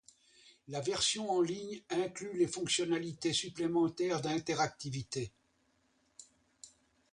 La version en ligne inclut les fonctionnalités supplémentaires d'interactivité.